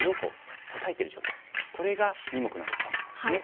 これが二目のアタマなんですね。